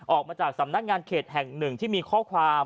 ออกมาจากสำนักงานเขตแห่งหนึ่งที่มีข้อความ